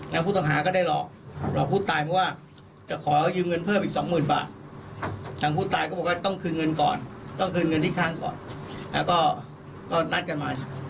มันเป็นชนิดนี้ได้หรอครับ